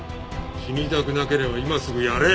死にたくなければ今すぐやれ！